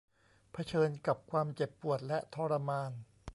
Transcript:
เผชิญกับความเจ็บปวดและทรมาน